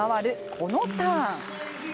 このターン。